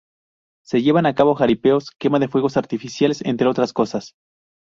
Se llevan a cabo jaripeos, quema de fuegos artificiales, entre otras cosas.